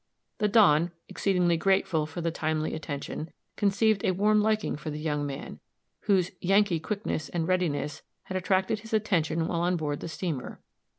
The Don, exceedingly grateful for the timely attention, conceived a warm liking for the young man, whose "Yankee" quickness and readiness had attracted his attention while on board the steamer.